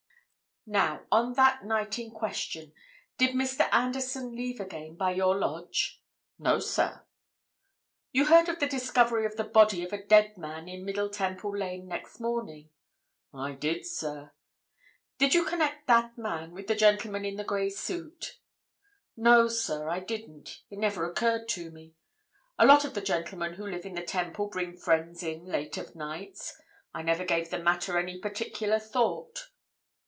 "Now, on that night in question, did Mr. Anderson leave again by your lodge?" "No, sir." "You heard of the discovery of the body of a dead man in Middle Temple Lane next morning?" "I did, sir." "Did you connect that man with the gentleman in the grey suit?" "No, sir, I didn't. It never occurred to me. A lot of the gentlemen who live in the Temple bring friends in late of nights; I never gave the matter any particular thought."